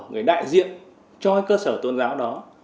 người đại diện cho cơ sở tôn giáo đó